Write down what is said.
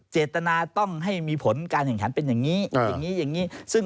เจตนาต้องให้มีผลการแข่งขันเป็นอย่างนี้อย่างนี้